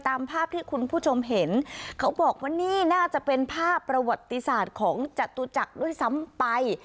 ตามภาพที่คุณผู้ชมเห็นเขาบอกว่านี่น่าจะเป็นภาพประวัติศาสตร์ของจตุจักรด้วยซ้ำไป